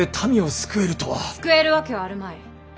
救えるわけはあるまい。